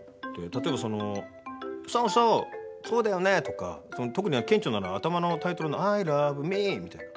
例えば、そうそうそうだよねとか特に顕著なのは頭のタイトルの「アイラブみー」みたいな。